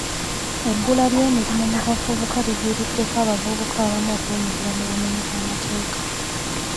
Ebbula ly’emirimu mu bavubuka liviriddeko abavubuka abamu okwenyigira mu bumenyi bw’amateeka.